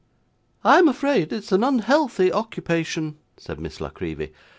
'I am afraid it is an unhealthy occupation,' said Miss La Creevy.